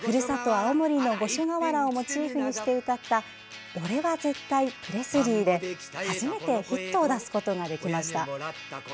青森の五所川原をモチーフにして歌った「俺はぜったい！プレスリー」で初めてヒットを出すことができました。